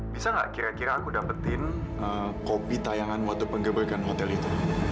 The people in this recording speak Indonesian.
bisa gak kira kira aku dapetin kopi tayangan waktu penggeberkan hotel itu